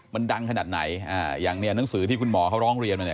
มันดังขนาดไหนอย่างเนี่ยหนังสือที่คุณหมอเขาร้องเรียนมาเนี่ย